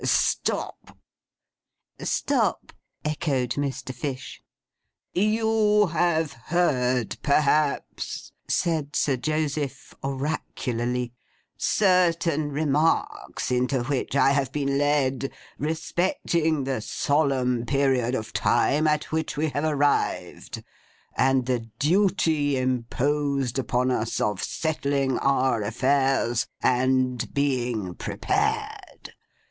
'Stop!' 'Stop!' echoed Mr. Fish. 'You have heard, perhaps,' said Sir Joseph, oracularly, 'certain remarks into which I have been led respecting the solemn period of time at which we have arrived, and the duty imposed upon us of settling our affairs, and being prepared.